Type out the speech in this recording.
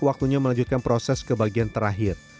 waktunya melanjutkan proses ke bagian terakhir